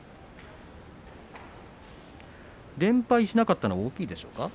連敗しなかったのは大きいでしょうか？